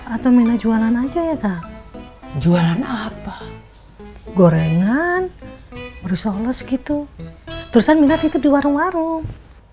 atau mina jualan aja ya kak jualan apa gorengan merusak allah segitu terus minah tidur di warung warung